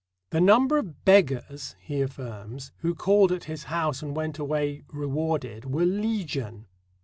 "The number of 'beggars,'" he affirms, "who called at his house and went away rewarded were legion."